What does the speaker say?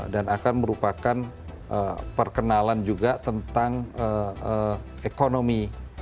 dan akan merupakan perkenalan juga tentang ekonomi